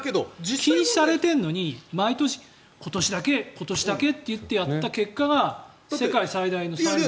禁止されてるのに毎年、今年だけ、今年だけって言ってやった結果が世界最大の債務国。